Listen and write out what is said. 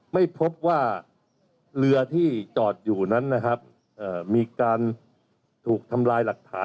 ไม่พบว่าเหลือที่จอดอยู่นั้นนะครับเอ่อมีการถูกทำ